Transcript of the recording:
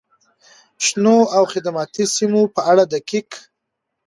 شنو او خدماتي سیمو په اړه دقیق،